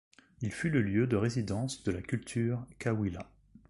Il fut le lieu de résidence de la culture Cahuilla.